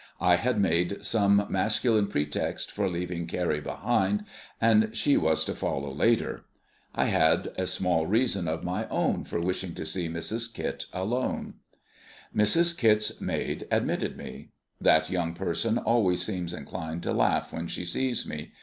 I had made some masculine pretext for leaving Carrie behind, and she was to follow later. I had a small reason of my own for wishing to see Mrs. Kit alone. Mrs. Kit's maid admitted me. That young person always seems inclined to laugh when she sees me.